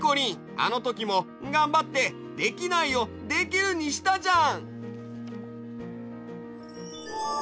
あのときもがんばって「できない」を「できる」にしたじゃん！